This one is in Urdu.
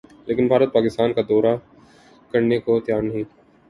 لیکن بھارت پاکستان کا دورہ کرنے کو تیار نہیں